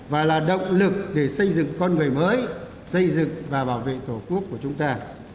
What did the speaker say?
và là động lực để xây dựng con người mới xây dựng và bảo vệ tổ quốc của chúng ta